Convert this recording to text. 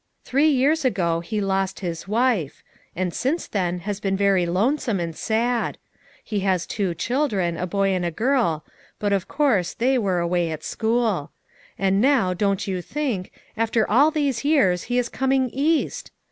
Three years ago he lost his wife; and since then has been very lonesome and sad ; he has two children, a boy and a girl, but of course they were away at school. And now, don't you think, after all these years he is coming East.